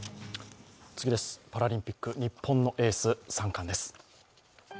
パラリンピック、日本のエース三冠です。